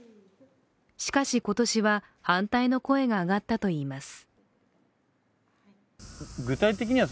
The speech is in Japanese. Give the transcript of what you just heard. しかし今年は反対の声が上がったといいます。